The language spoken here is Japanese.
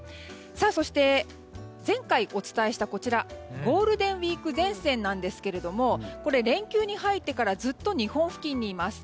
そして、前回お伝えしたゴールデンウィーク前線ですがこれ、連休に入ってからずっと日本付近にいます。